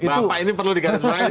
bapak ini perlu digantungin